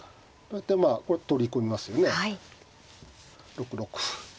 ６六歩。